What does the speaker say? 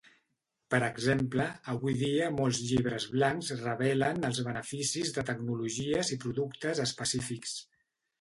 Per exemple, avui dia molts llibres blancs revelen els beneficis de tecnologies i productes específics.